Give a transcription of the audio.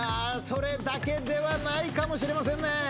それだけではないかもしれませんね。